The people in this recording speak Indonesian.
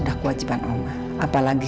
wahinal tidak lagi